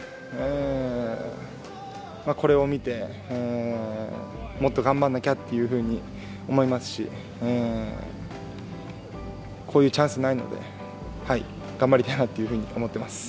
これを見て、もっと頑張らなきゃというふうに思いますし、こういうチャンス、ないので頑張りたいなっていうふうに思います。